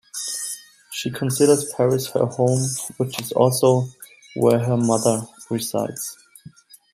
She considers Paris her home, which is also where her mother resides.